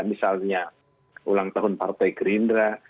misalnya ulang tahun partai gerindra